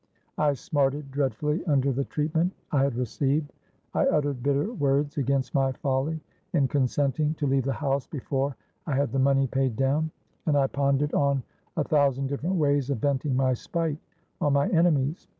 I smarted dreadfully under the treatment I had received;—I uttered bitter words against my folly in consenting to leave the house before I had the money paid down; and I pondered on a thousand different ways of venting my spite on my enemies.